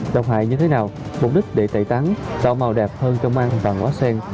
độc hại như thế nào mục đích để tẩy tắn tạo màu đẹp hơn trong măng và ngó sen